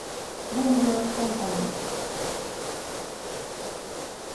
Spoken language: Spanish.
Woolworth Co.